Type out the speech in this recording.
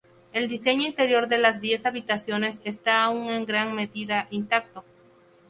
El diseño interior de las diez habitaciones está aún en gran medida intacto.